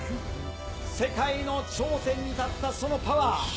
世界の頂点に立ったそのパワー。